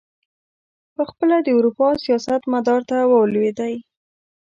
پخپله د اروپا سیاست مدار ته ولوېدی.